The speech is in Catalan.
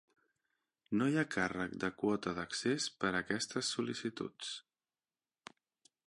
No hi ha càrrec de quota d'accés per a aquestes sol·licituds.